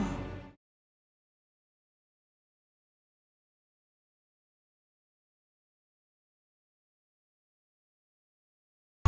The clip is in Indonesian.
sampai jumpa di video selanjutnya